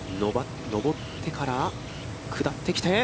上ってから、下ってきて。